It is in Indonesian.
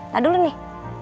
nah dulu nih